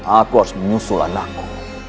aku harus menyusul anakku